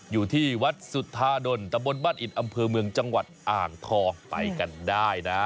อยู่ที่วัดสุธาดลตะบนบ้านอิดอำเภอเมืองจังหวัดอ่างทองไปกันได้นะ